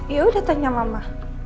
yaudah tanya mama